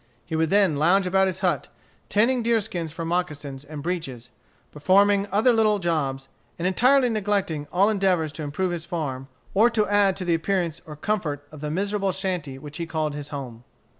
He would then lounge about his hut, tanning deerskins for moccasins and breeches, performing other little jobs, and entirely neglecting all endeavors to improve his farm, or to add to the appearance or comfort of the miserable shanty which he called his home.